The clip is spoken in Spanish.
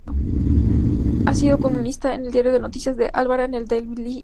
Ha sido columnista en el Diario de Noticias de Álava, en el Deia, Aizu!